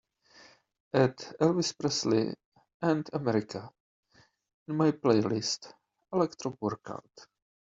add Elvis Presley and America in my playlist Electro Workout